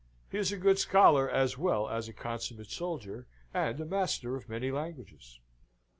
He is a good scholar as well as a consummate soldier, and a master of many languages."